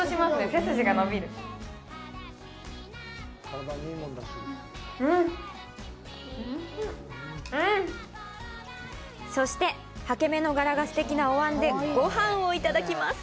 背筋が伸びるうんおいしいうんそしてはけ目の柄がすてきなおわんでごはんを頂きます